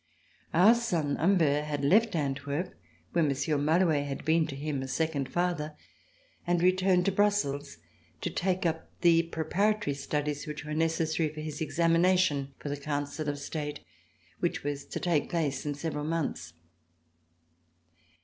Our son Humbert had left Antwerp, where Monsieur Malouet had been to him a second father, and returned to Brussels to take up the preparatory studies which were necessary for his examination for the Council of State which was to take place in several months.